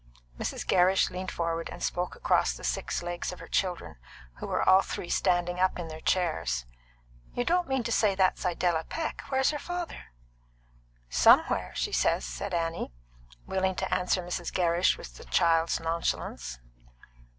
Mrs. Gerrish leaned forward and spoke across the six legs of her children, who were all three standing up in their chairs: "You don't mean to say that's Idella Peck? Where's her father?" "Somewhere, she says," said Annie, willing to answer Mrs. Gerrish with the child's nonchalance.